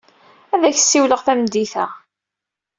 Ad ak-d-siwleɣ tameddit-a.